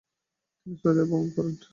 তিনি সৌদি আরব ভ্রমণ করেন।